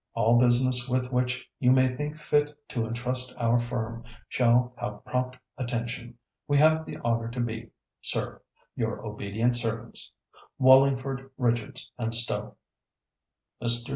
All business with which you may think fit to entrust our firm shall have prompt attention.—We have the honour to be, Sir, your obedient servants, "WALLINGFORD, RICHARDS & STOWE." Mr.